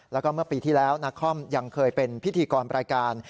แล้วก็เมื่อปีที่แล้วนาคอมยังเคยเป็นพิธีกรรายการ